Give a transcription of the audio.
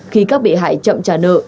khi các bị hại chậm trả nợ